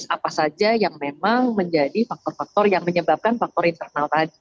apa saja yang memang menjadi faktor faktor yang menyebabkan faktor internal tadi